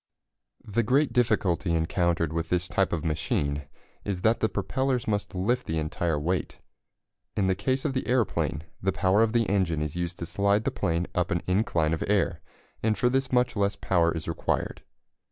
] The great difficulty encountered with this type of machine is that the propellers must lift the entire weight. In the case of the aeroplane, the power of the engine is used to slide the plane up an incline of air, and for this much less power is required.